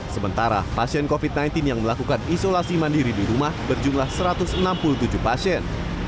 sementara pasien covid sembilan belas yang melakukan isolasi mandiri di rumah berjumlah satu ratus enam puluh tujuh pasien